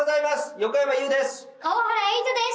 横山裕です。